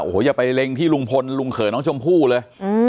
โอ้โหอย่าไปเล็งที่ลุงพลลุงเขยน้องชมพู่เลย